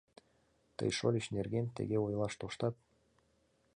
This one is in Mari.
Тый шольыч нерген тыге ойлаш тоштат?